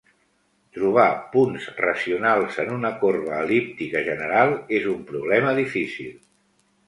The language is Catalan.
Trobar punts racionals en una corba el·líptica general és un problema difícil.